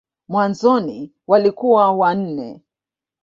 Mwanzoni walikuwa wanne.